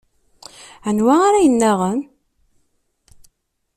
Anwa ara yennaɣen?